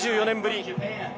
２４年ぶり。